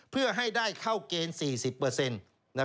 เพื่อให้ได้เข้าเกณฑ์๔๐